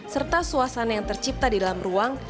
serta suasana yang tercipta di dalam ruang